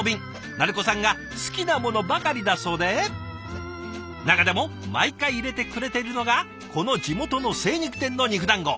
なるこさんが好きなものばかりだそうで中でも毎回入れてくれてるのがこの地元の精肉店の肉だんご。